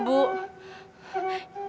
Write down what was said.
ibu terserah mau bayar saya berapa aja